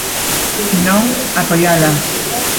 Non apoiala.